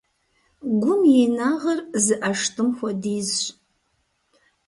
Гум и инагъыр зы ӀэштӀым хуэдизщ.